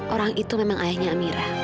orang itu memang ayahnya amirah